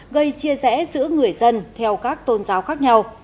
gây chia rẽ giữa người dân theo các tôn giáo khác nhau